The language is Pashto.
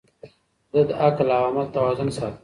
ده د عقل او عمل توازن ساته.